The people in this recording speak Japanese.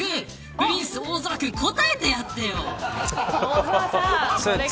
プリンス大空くん答えてやってよ。